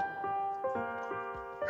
「あ！」